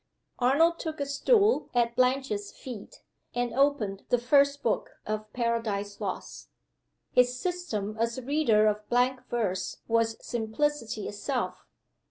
Arnold took a stool at Blanche's feet, and opened the "First Book" of Paradise Lost. His "system" as a reader of blank verse was simplicity itself.